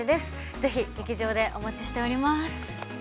ぜひ、劇場でお待ちしています！